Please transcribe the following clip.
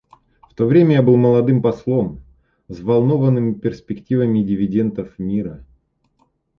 В то время я был молодым послом, взволнованным перспективами дивидендов мира.